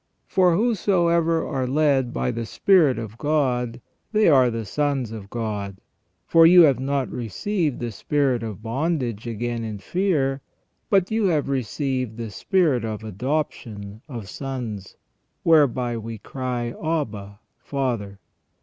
"For whosoever are led by the Spirit of God, they are the sons of God. For you have not received the spirit of bondage again in fear ; but you have received the spirit of adoption of sons, whereby we cry Abba (Father).